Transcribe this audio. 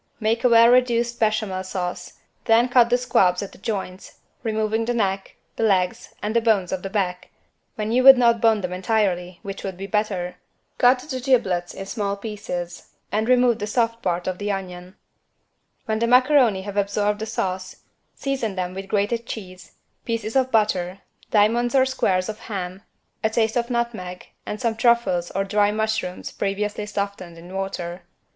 Make a well reduced Béchamel sauce, then cut the squabs at the joints, removing the neck, the legs and the bones of the back, when you would not bone them entirely, which would be better. Cut the giblets in small pieces and remove the soft part of the onion. When the macaroni have absorbed the sauce, season them with grated cheese, pieces of butter, diamonds or squares of ham, a taste of nutmeg and some truffles or dry mushrooms previously softened in water.